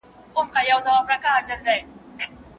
هغې وويل: اې د الله رسوله!